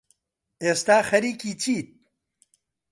ئێستا خەریکی چیت؟